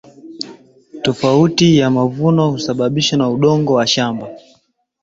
tofauti ya mavuno husababishwa na udongo wa shamba